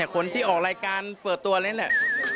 คนที่ออกรายการเปิดตัวเลยแหละ